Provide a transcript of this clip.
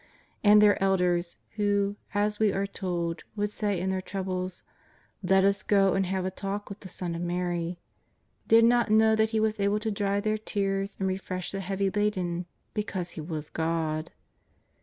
And their elders, who, as we are told, would say in their troubles :'' Let us go and have a talk with the Son of Mary," did not know that He was able to dry their tears and refresh the heavy laden — because He was God.